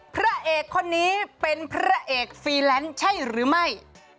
พระเอกคนนี้เป็นพระเอกฟรีแลนซ์ใช่หรือไม่